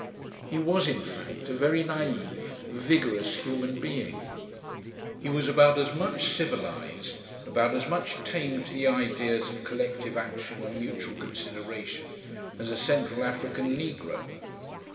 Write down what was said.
He was, in fact, a very naive, vigorous human being. He was about as much civilised, about as much tamed to the ideas of collective action and mutual consideration as a Central African negro.